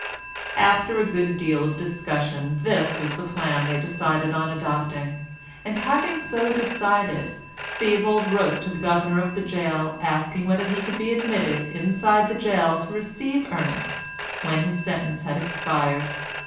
After a good deal of discussion this was the plan they decided on adopting, and having so decided, Theobald wrote to the governor of the gaol asking whether he could be admitted inside the gaol to receive Ernest when his sentence had expired.